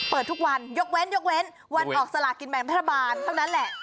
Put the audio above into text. เปิดทุกวันยกเว้นยกเว้นวันออกสลากินแบ่งรัฐบาลเท่านั้นแหละ